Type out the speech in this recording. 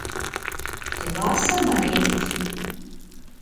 Дыгъуасэ мэремт.